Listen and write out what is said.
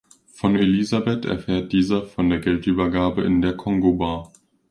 Von Elisabeth erfährt dieser von der Geldübergabe in der Kongo Bar.